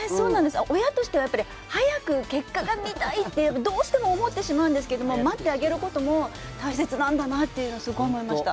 親としては早く結果が見たいってどうしても思うんですけど待ってあげることも大切なんだなって、すごい思いました。